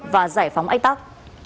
và giải phóng ách tắc